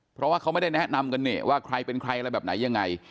เพราะว่าเขาไม่ได้แนะนำกันเนี่ยว่าใครเป็นใครอะไรแบบไหนยังไง